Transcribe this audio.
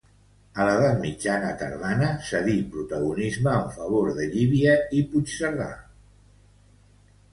A l'edat mitjana tardana cedí protagonisme en favor de Llívia i Puigcerdà.